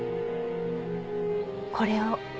これを。